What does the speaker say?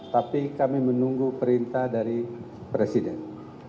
tapi kami menunggu perintah dari presiden